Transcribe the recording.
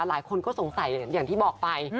หลายคนก็สงสัยอย่างที่บอกไป